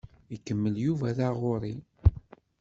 Ikemmel Yuba taɣuri.